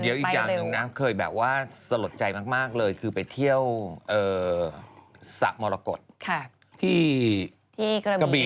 เดี๋ยวอีกอย่างหนึ่งนะเคยแบบว่าสลดใจมากเลยคือไปเที่ยวสระมรกฏที่กระบี